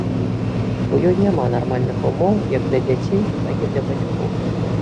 У ёй няма нармальных умоў як для дзяцей, так і для бацькоў.